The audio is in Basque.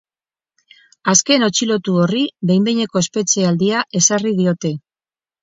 Azken atxilotu horri behin-behineko espetxealdia ezarri diote.